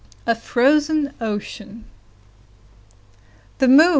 A FROZEN OCEAN The moon!